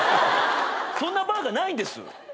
そんなバーがないんです。